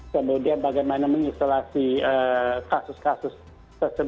kemudian bagaimana mengisolasi kasus kasus tersebut